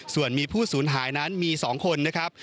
ส่วนมีผู้สูญหายนั้นมี๒คนนะครับ